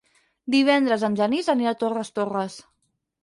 Divendres en Genís anirà a Torres Torres.